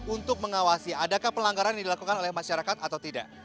untuk mengawasi adakah pelanggaran yang dilakukan oleh masyarakat atau tidak